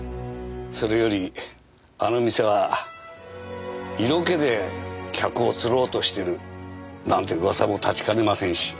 それより「あの店は色気で客を釣ろうとしてる」なんて噂も立ちかねませんし。